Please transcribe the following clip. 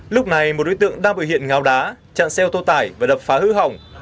lúc này một đối tượng đang bị hiện ngáo đá chặn xe ô tô tải và đập phá hư hỏng